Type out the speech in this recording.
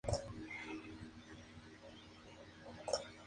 La Casa, conocida como El Castillo, se encuentra dentro del parque.